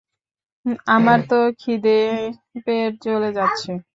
আমার তো খিদেয় পেট জ্বলে যাচ্ছে!